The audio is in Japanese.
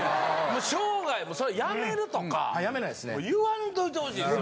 生涯辞めるとか言わんといて欲しいです。